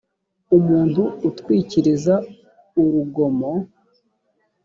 umuntu utwikiriza urugomo